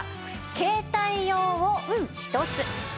携帯用を１つ。